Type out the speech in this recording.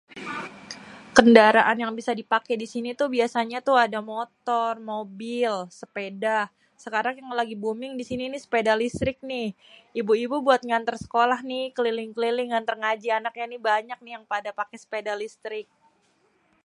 kendaraan yang biasanya di paké di sini tuh ada motor, mobil, sepeda.. sekarang yang lagi booming di sini ni sepeda listrik nih.. ibu-ibu buat ngantér sekolah nih keliling-keliling ngantér ngaji anaknya ni banyak ni yang pada paké sepeda listrik..